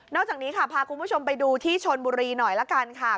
จากนี้ค่ะพาคุณผู้ชมไปดูที่ชนบุรีหน่อยละกันค่ะ